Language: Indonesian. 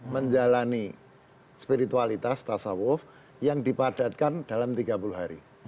menjalani spiritualitas tasawuf yang dipadatkan dalam tiga puluh hari